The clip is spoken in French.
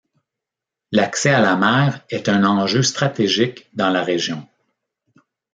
L'accès à la mer est un enjeu stratégique dans la région.